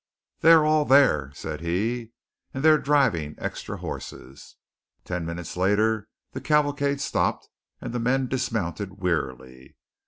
"They are all thar," said he, "and they're driving extry hosses." Ten minutes later the cavalcade stopped and the men dismounted wearily.